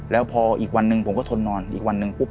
แล้วพออีกวันหนึ่งผมก็ทนนอนอีกวันหนึ่งปุ๊บ